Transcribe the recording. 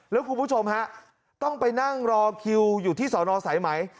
แล้วคุณผู้ชมฮะต้องไปนั่งรอคิวอยู่ที่สอนอสายไหม